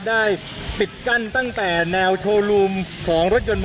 ได้ปิดกั้นตั้งแต่แนวโชว์รูมของรถยนต์